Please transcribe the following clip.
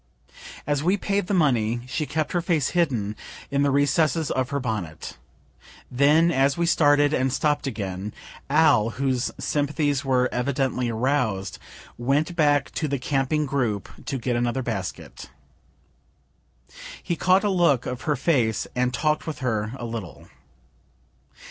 As we paid the money, she kept her face hidden in the recesses of her bonnet. Then as we started, and stopp'd again, Al., (whose sympathies were evidently arous'd,) went back to the camping group to get another basket. He caught a look of her face, and talk'd with her a little.